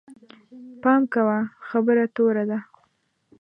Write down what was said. پام کوه، خبره توره ده